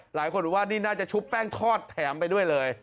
หลายคนบอกว่านี่น่าจะชุบแป้งทอดแถมไปด้วยเลย